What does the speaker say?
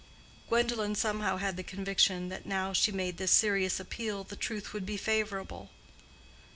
Gwendolen somehow had the conviction that now she made this serious appeal the truth would be favorable.